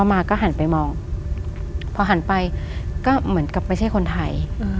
มาก็หันไปมองพอหันไปก็เหมือนกับไม่ใช่คนไทย